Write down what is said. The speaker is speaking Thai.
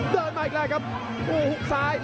เดินมาอีกแล้วครับหลวงซ้าย